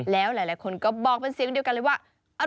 แล้วหลายคนก็บอกเป็นเสียงเดียวกันเลยว่า